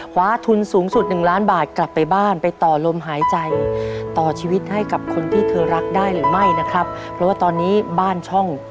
คว้าทุนสูงสุดหนึ่งล้านบาทกลับไปบ้านไปต่อลมหายใจต่อชีวิตให้กับคนที่เธอรักได้หรือไม่นะครับเพราะว่าตอนนี้บ้านช่อง